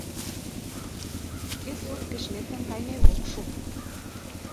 Шке сурт гыч лектын каймем ок шу.